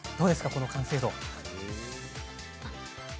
この完成度。